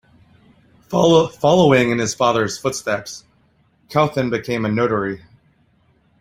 Following in his father's footsteps, Couthon became a notary.